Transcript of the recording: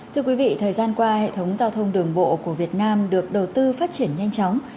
thưa quý vị thời gian qua hệ thống giao thông đường bộ của việt nam được đầu tư phát triển nhanh chóng